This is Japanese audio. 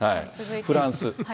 フランス。